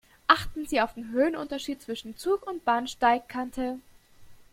Achten Sie auf den Höhenunterschied zwischen Zug und Bahnsteigkante.